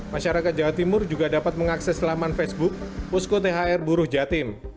masyarakat jawa timur juga dapat mengakses laman facebook posko thr buruh jatim